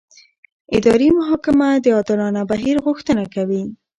اداري محاکمه د عادلانه بهیر غوښتنه کوي.